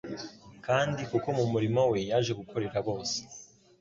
Kandi kuko mu murimo we yaje gukorera bose,